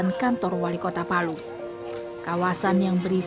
yang satu aja menjadi perhatian saya lagiku dan bisa pacarnya semua hatikuiles